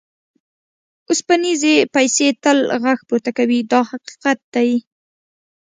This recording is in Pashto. اوسپنیزې پیسې تل غږ پورته کوي دا حقیقت دی.